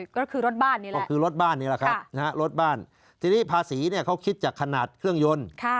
ก็คือรถบ้านนี่แหละก็คือรถบ้านนี่แหละครับรถบ้านทีนี้ภาษีเนี่ยเขาคิดจากขนาดเครื่องยนต์